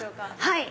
はい。